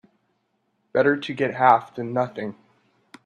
Better to get half than nothing.